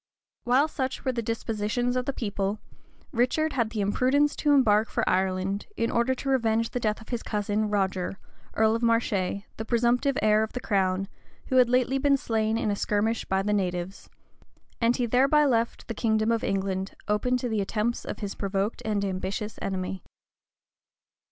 While such were the dispositions of the people, Richard had the imprudence to embark for Ireland, in order to revenge the death of his cousin, Roger, earl of Marche, the presumptive heir of the crown, who had lately been slain in a skirmish by the natives; and he thereby left the kingdom of England open to the attempts of his provoked and ambitious enemy.